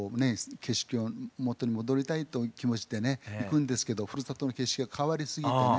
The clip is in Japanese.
景色を元に戻りたいという気持ちでね行くんですけどふるさとの景色が変わりすぎてね